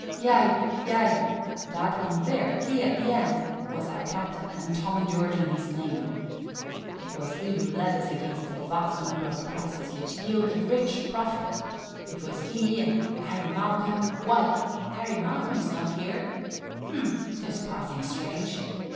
"Yea, yea! That one there he at the end was our captain, and Tom Jordan his name. It was he who led us against a vast number of prizes, which yielded rich profit. It was he and Harry Malcolm why, Harry Malcolm is not here. Huh! 'Tis passing strange!